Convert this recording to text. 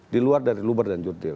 diluar dari luber dan yurdil